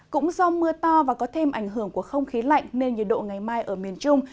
cũng do mưa to và có thêm ảnh hưởng của không khí lạnh nên nhiệt độ ngày mai ở miền trung